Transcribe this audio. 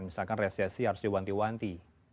misalkan resesi harus diwanti wanti